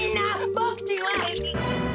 ボクちんは。